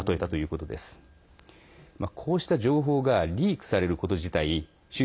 こうした情報がリークされること自体習